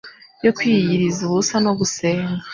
yo kwiyiriza ubusa no gusenga.